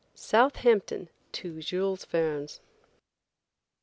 SOUTHAMPTON TO JULES VERNE'S.